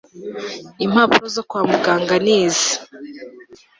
impapuro zo kwamuganga nizi